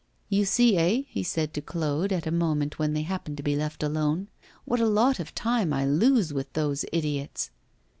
'You see, eh?' he said to Claude, at a moment when they happened to be left alone. 'What a lot of time I lose with those idiots!